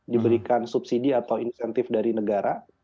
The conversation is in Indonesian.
diberikan subsidi atau insentif dari negara